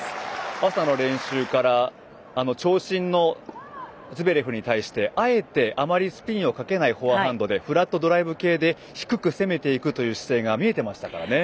朝の練習から長身のズベレフに対してあえてあまりスピンをかけないフォアハンドでフラットドライブ系で低く攻めていく姿勢が見えていました。